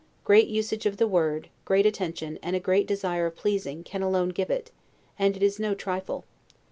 Great usage of the world, great attention, and a great desire of pleasing, can alone give it; and it is no trifle.